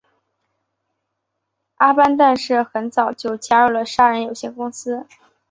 阿班旦杜很早就加入了杀人有限公司。